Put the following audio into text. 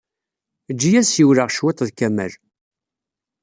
Eǧǧ-iyi ad ssiwleɣ cwiṭ ed Kamal.